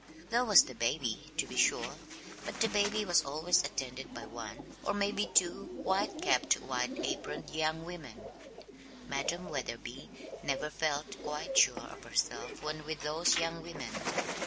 There was the baby, to be sure; but the baby was always attended by one, and maybe two, white capped, white aproned young women. Madam Wetherby never felt quite sure of herself when with those young women.